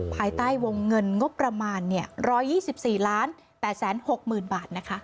ภายใต้วงเงินงบประมาณเนี่ยร้อยยี่สิบสี่ล้านแปดแสนหกหมื่นบาทนะคะ